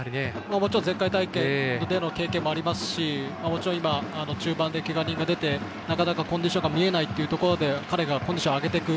もちろん前回大会での経験もありますし中盤でけが人も出てなかなかコンディションが見えないという中で彼がコンディションを上げていく。